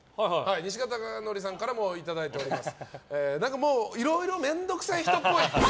西川さんからもいただいています。